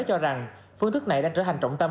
cho rằng phương thức này đang trở thành trọng tâm